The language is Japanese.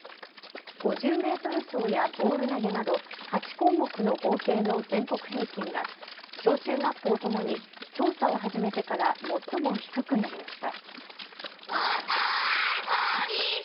５０メートル走やボール投げなど８項目の合計の全国平均が小中学校ともに調査を始めてから最も低くなりました。